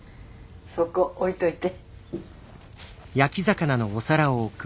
そこ置いといて。